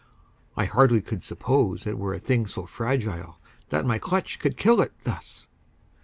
I hardly could suppose It were a thing so fragile that my clutch Could kill it, thus.